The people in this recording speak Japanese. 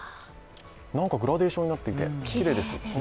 グラデーションになっていてきれいです。